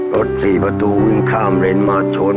สี่ประตูวิ่งข้ามเลนมาชน